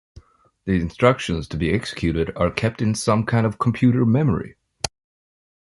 The instructions to be executed are kept in some kind of computer memory.